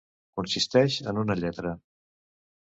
Consisteix en una lletra.